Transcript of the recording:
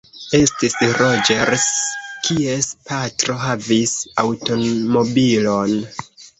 Estis Roĝers, kies patro havis aŭtomobilon.